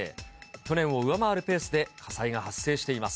去年を上回るペースで火災が発生しています。